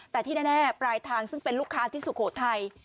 แต่ที่แน่ปลายทางซึ่งเป็นลูกค้าที่สุโขทัย